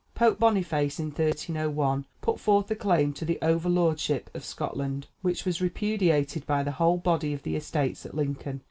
Pope Boniface, in 1301, put forth a claim to the over lordship of Scotland, which was repudiated by the whole body of the estates at Lincoln.